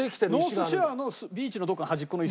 ノースショアのビーチのどこかの端っこの磯の方に？